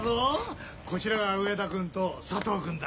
こちらが上田君と佐藤君だ。